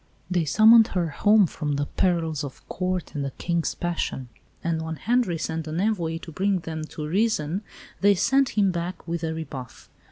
They summoned her home from the perils of Court and a King's passion; and when Henri sent an envoy to bring them to reason they sent him back with a rebuff.